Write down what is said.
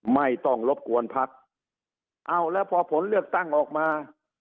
ไม่ต้องรบกวนพักเอาแล้วพอผลเลือกตั้งออกมา